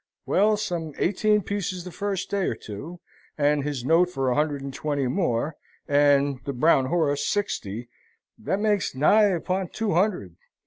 "Well, some eighteen pieces the first day or two, and his note for a hundred and twenty more, and the brown horse, sixty that makes nigh upon two hundred.